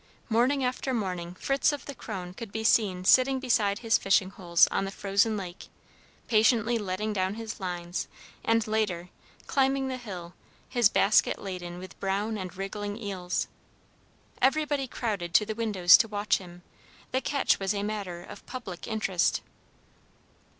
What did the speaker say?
Morning after morning Fritz of the Kröne could be seen sitting beside his fishing holes on the frozen lake, patiently letting down his lines, and later, climbing the hill, his basket laden with brown and wriggling eels. Everybody crowded to the windows to watch him, the catch was a matter of public interest.